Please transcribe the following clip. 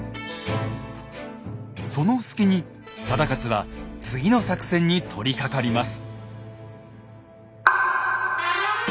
その隙に忠勝は次の作戦に取りかかります。